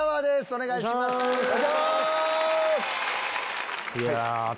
お願いします！